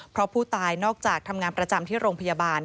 เพราะผู้ตายนอกจากทำงานประจำที่โรงพยาบาล